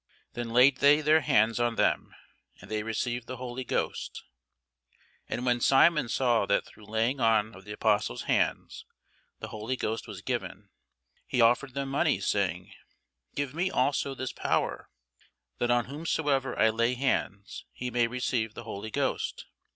Then laid they their hands on them, and they received the Holy Ghost. And when Simon saw that through laying on of the apostles' hands the Holy Ghost was given, he offered them money, saying, Give me also this power, that on whomsoever I lay hands, he may receive the Holy Ghost.